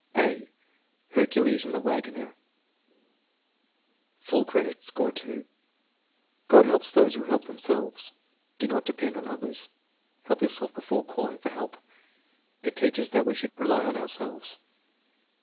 (a) Hercules and the Wagoner Full credit; score #. "God helps those who help themselves/* "Do not depend on others." "Help yourself before calling for help." "It teaches that we should rely upon ourselves."